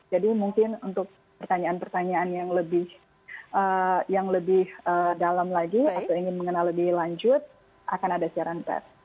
jadi mungkin untuk pertanyaan pertanyaan yang lebih dalam lagi atau ingin mengenal lebih lanjut akan ada siaran terse